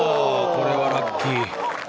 これはラッキー。